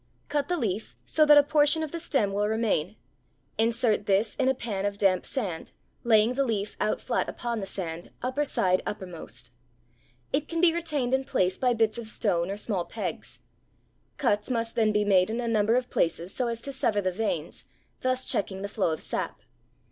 Cut the leaf so that a small portion of the stem will remain, insert this in a pan of damp sand, laying the leaf out flat upon the sand, upper side uppermost. It can be retained in place by bits of stone or small pegs. Cuts must then be made in a number of places so as to sever the veins, thus checking the flow of sap.